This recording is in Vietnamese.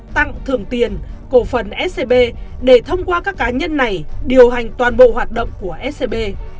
tặng thưởng tiền cổ phần scb để thông qua các cá nhân này điều hành toàn bộ hoạt động của scb